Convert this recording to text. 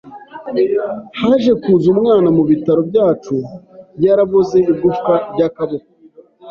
Haje kuza umwana mu bitaro byacu, yaraboze igufwa ry’akaboko,